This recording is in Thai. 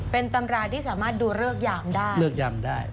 เป็นตำราที่สามารถดูเริกยามได้